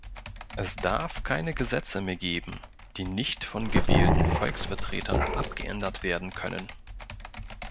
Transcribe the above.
Es darf keine Gesetze mehr geben, die nicht von gewählten Volksvertretern abgeändert werden können.